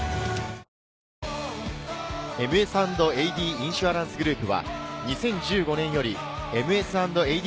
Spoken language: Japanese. インシュアランスグループは２０１５年よりＭＳ＆ＡＤ